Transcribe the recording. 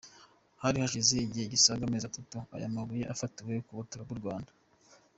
Hari hashize igihe gisaga amezi atatu aya mabuye afatiwe ku butaka bw’u Rwanda.